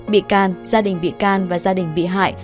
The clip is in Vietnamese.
bị can gia đình bị can và gia đình bị hại